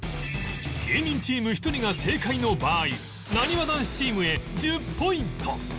芸人チーム１人が正解の場合なにわ男子チームへ１０ポイント